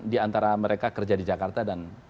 di antara mereka kerja di jakarta dan